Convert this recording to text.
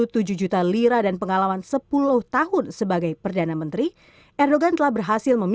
turki pun tergabung sebagai negara g dua puluh